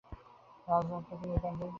রাজরক্ত কি নিতান্তই চাই?